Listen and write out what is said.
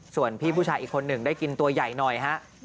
ส่วนพี่ผู้ชายอีกคนหนึ่งได้กินตัวใหญ่หน่อยฮะ